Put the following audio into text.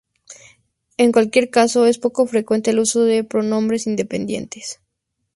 En cualquier caso, es poco frecuente el uso de los pronombres independientes.